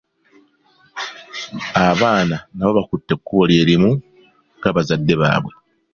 Abaana nabo bakutte ekkubo lye limu nga bazadde baabwe.